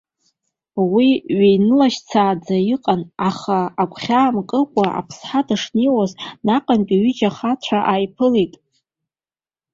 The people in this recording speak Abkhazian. Уи ҩнылашьцааӡа иҟан, аха агәхьаа мкыкәа аԥсҳа дышнеиуаз, наҟстәи ҩыџьа ахацәа ааиԥылеит.